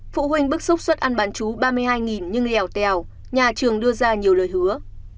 phụ huynh bức xúc xuất ăn bán chú ba mươi hai nhưng lèo tèo nhà trường đưa ra nhiều lời hứa